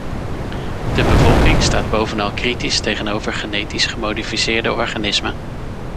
De bevolking staat bovenal kritisch tegenover genetisch gemodificeerde organismen.